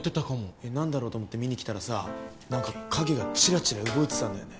え何だろう？と思って見に来たらさぁなんか影がチラチラ動いてたんだよね。